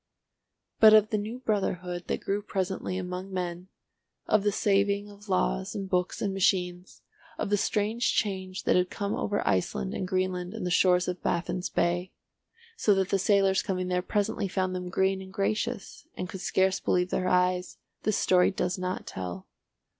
But of the new brotherhood that grew presently among men, of the saving of laws and books and machines, of the strange change that had come over Iceland and Greenland and the shores of Baffin's Bay, so that the sailors coming there presently found them green and gracious, and could scarce believe their eyes, this story does not tell.